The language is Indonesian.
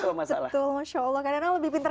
atau masalah betul masya allah kadang kadang lebih pinter